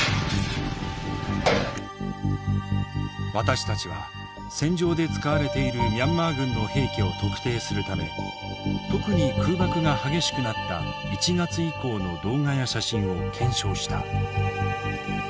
私たちは戦場で使われているミャンマー軍の兵器を特定するため特に空爆が激しくなった１月以降の動画や写真を検証した。